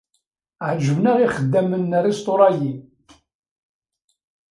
Ɛeǧben-aɣ ixeddamen n rrisṭura-yi.